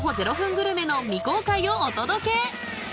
グルメの未公開をお届け。